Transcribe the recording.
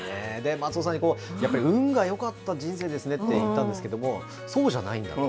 松尾さんに、やっぱり、運がよかった人生ですねって言ったんですけども、そうじゃないんだと。